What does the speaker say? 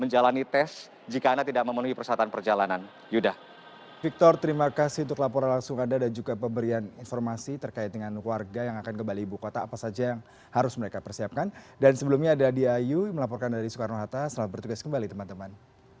dan untuk mengantisipasi dengan adanya penyebaran covid sembilan belas terdapat delapan pos